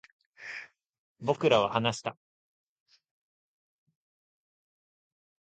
僕らは話した